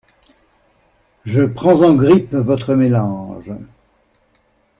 Je prends en grippe votre mélange.